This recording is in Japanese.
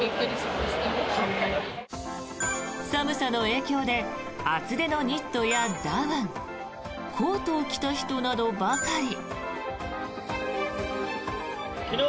寒さの影響で厚手のニットやダウンコートを着た人などばかり。